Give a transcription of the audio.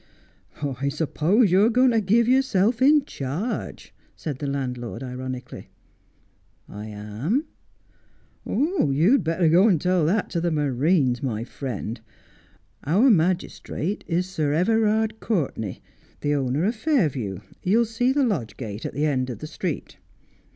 ' I suppose you are going to give yourself in charge,' said the landlord ironically. ' I am.' ' You'd better go and tell that to the marines, my friend. Our magistrate is Sir Everard Courtenay, the owner of Fairview. You will see the lodge gate at the end of the street.